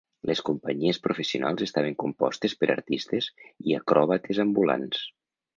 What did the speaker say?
Les companyies professionals estaven compostes per artistes i acròbates ambulants.